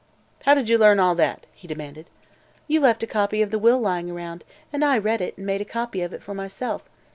"How did you learn all that?" he demanded. "You left a copy of the will lying around, and I read it and made a copy of it for myself.